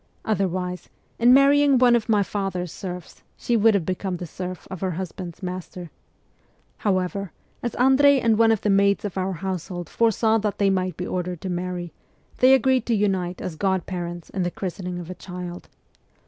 Otherwise, in marrying one of my father's serfs she would have become the serf of her husband's master. However, as Andrei and one of the maids of our household fore saw that they might be ordered to marry, they agreed to unite as god parents in the christening of a child.